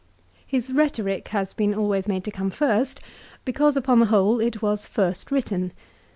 His rhetoric has been always made to come first because, upon the whole, it was first written.